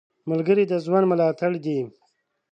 ملګری د ژوند ملاتړ دی